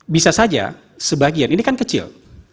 bisa saja sebagian ini kan kecil